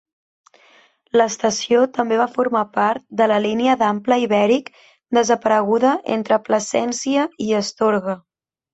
L'estació també va formar part de la línia d'ample ibèric desapareguda entre Plasència i Astorga.